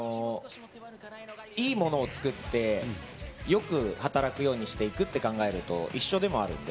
でもまあ、いいものを作ってよく働くようにしていくって考えると、一緒でもあるんで。